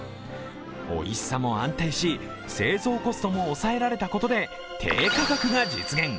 おいしさも安定し、製造コストも抑えられたことで低価格が実現。